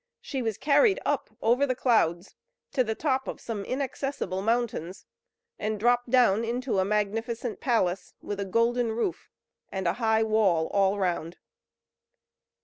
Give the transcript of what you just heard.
She was carried up over the clouds, to the top of some inaccessible mountains, and dropped down into a magnificent palace, with a golden roof, and a high wall all round.